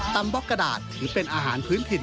บล็อกกระดาษถือเป็นอาหารพื้นถิ่น